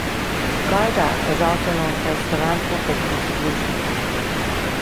Gharda is also known for his philanthropic contributions.